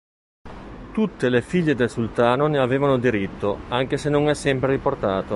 Tutte le figlie del Sultano ne avevano diritto, anche se non è sempre riportato.